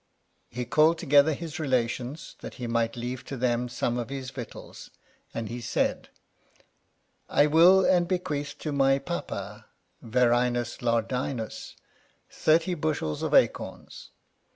He called together his relations, that he might leave to them some of his victuals ; and he said : I will and bequeath to my papa, Verrinus Lardinus, 30 bush, of acorns.